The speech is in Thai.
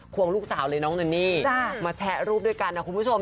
วงลูกสาวเลยน้องเนนี่มาแชะรูปด้วยกันนะคุณผู้ชม